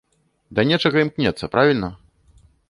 Да нечага імкнецца, правільна?